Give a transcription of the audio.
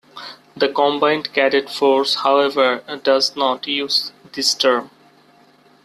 The Combined Cadet Force, however, does not use this term.